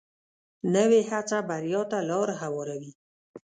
نوې هڅه بریا ته لار هواروي